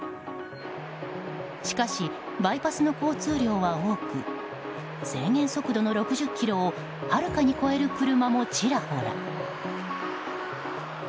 しかし、バイパスの交通量は多く制限速度の６０キロをはるかに超える車もちらほら。